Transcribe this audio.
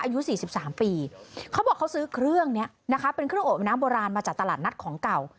อายุ๔๓ปีเขาบอกเขาซื้อเครื่องนี้นะคะเป็นเครื่องโอบน้ำโบราณมาจากตลาดนัดของเก่า